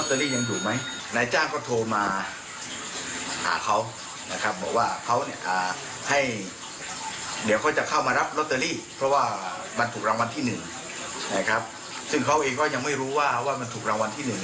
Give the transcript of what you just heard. กลับมาก็มาเจอว่ามันเป็นรางวัลที่๑จริงใบหนึ่ง